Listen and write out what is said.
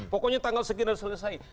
pokoknya tanggal sekian harus selesai